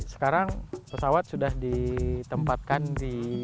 sekarang pesawat sudah ditempatkan di